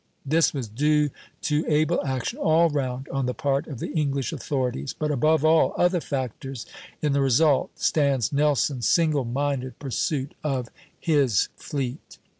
This was due to able action all round on the part of the English authorities; but above all other factors in the result stands Nelson's single minded pursuit of "his fleet."